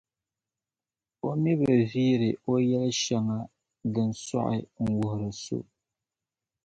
O mi bi viiri O yɛli shɛŋa din sɔɣi n-wuhiri so.